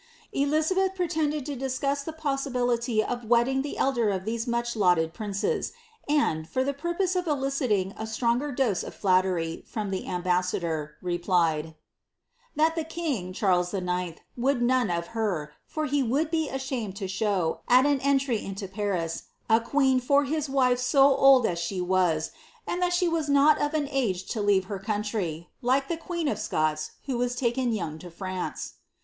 Elizabeth pretended to discuss the pMsibility of wedding the elder of these much lauded princes, and, for k purpose of eliciting a stronger dose of flattery from the ambassador, ■plied, *^ That the king, Charles IX., would none of her, for he would ke ashamed to show, at an entry into Paris, a queen for his wife so old ■ she was, and that she was not of an age to leave her country, like k queen of Scots, who was taken young to France."